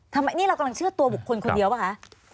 ทำไมนี่เรากำลังเชื่อตัวบุคคลคนเดียวป่ะคะ